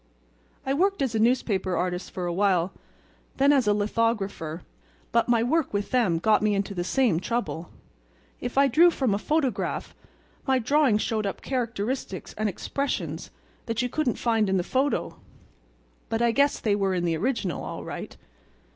I worked as a newspaper artist for a while, and then for a lithographer, but my work with them got me into the same trouble. If I drew from a photograph my drawing showed up characteristics and expressions that you couldn't find in the photo, but I guess they were in the original, all right.